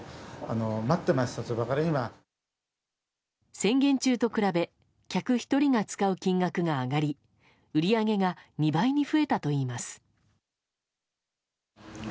宣言中と比べ客１人が使う金額が上がり売り上げが２倍に増えたといいます。